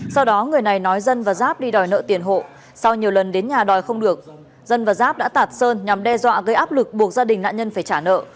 sau đó người này nói dân và giáp đi đòi nợ tiền hộ sau nhiều lần đến nhà đòi không được dân và giáp đã tạt sơn nhằm đe dọa gây áp lực buộc gia đình nạn nhân phải trả nợ